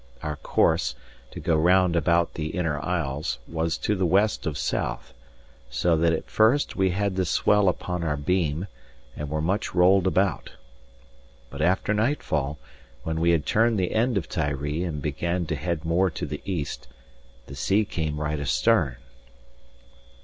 Our course, to go round about the inner isles, was to the west of south, so that at first we had this swell upon our beam, and were much rolled about. But after nightfall, when we had turned the end of Tiree and began to head more to the east, the sea came right astern.